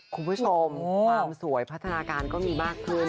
คุณผู้ชมความสวยพัฒนาการก็มีมากขึ้น